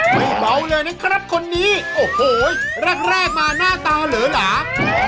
ไม่เมาเลยนะครับคนนี้โอ้โหแรกมาหน้าตาเหลือหลา